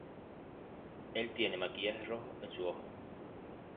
Él tiene maquillaje rojo en su ojo.